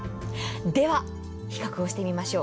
では、比較をしてみましょう。